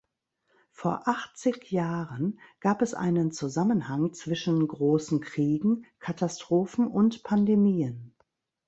Vor achtzig Jahren gab es einen Zusammenhang zwischen großen Kriegen, Katastrophen und Pandemien.